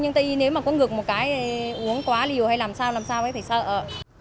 nhưng ta ý nếu mà có ngược một cái uống quá liều hay làm sao làm sao ấy phải sợ